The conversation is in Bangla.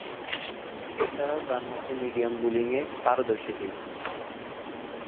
এছাড়াও, ডানহাতি মিডিয়াম বোলিংয়ে পারদর্শী তিনি।